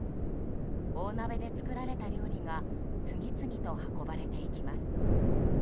大鍋で作られた料理が次々と運ばれていきます。